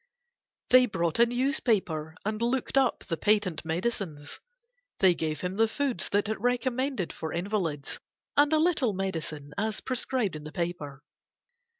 They brought a newspaper and looked up the patent medicines; they gave him the foods that it recommended for invalids, and a little medicine as prescribed in the paper.